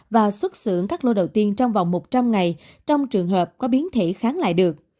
và xuất xưởng các lô đầu tiên trong vòng một trăm linh ngày trong trường hợp có biến thể kháng lại được